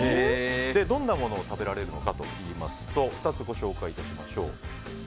どんなものを食べられるのかと言いますと２つご紹介しましょう。